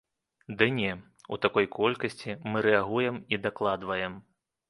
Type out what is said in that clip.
Ды не, у такой колькасці мы рэагуем і дакладваем.